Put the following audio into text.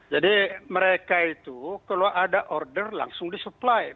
jadi mereka itu kalau ada order langsung disupply